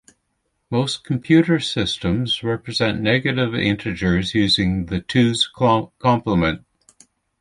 Most computer systems represent negative integers using two's complement.